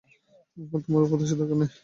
এখন তোমার উপদেশের দরকার নেই?